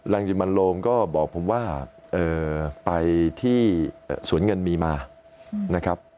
จิมันโลงก็บอกผมว่าไปที่สวนเงินมีมานะครับ